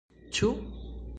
Ĉu?